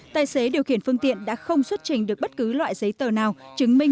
tài xế điều khiển phương tiện đã không xuất trình được bất cứ loại giấy tờ nào chứng minh